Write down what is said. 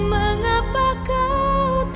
mengapa kau tak mengerti